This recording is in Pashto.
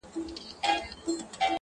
او لا ګورم چي ترټلی د بادار یم-